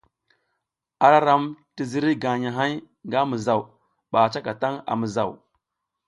Ara ram ti ziriy gagnahay nga mizaw ba a cakatang a mizaw.